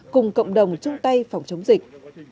cùng cộng đồng chung tay phòng chống dịch